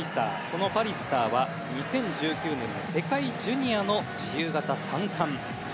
このパリスターは２０１９年の世界ジュニアの自由形３冠。